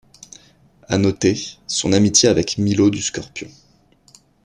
À noter, son amitié avec Milo du Scorpion.